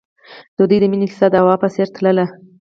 د دوی د مینې کیسه د هوا په څېر تلله.